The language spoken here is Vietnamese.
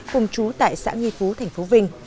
cùng chú tại xã nghị phú tp vinh